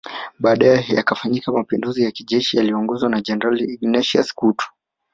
Baadae yakafanyika Mapinduzi ya kijeshi yaliyoongozwa na Jenerali Ignatius Kutu